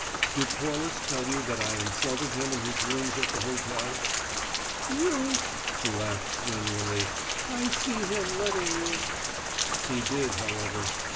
"Did Corliss tell you that I insulted him in his rooms at the hotel?" "You!" She laughed, genuinely. "I see him letting you!" "He did, however.